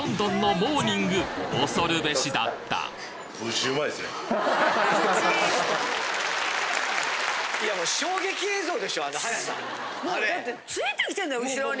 もうだってついてきてんだよ後ろに。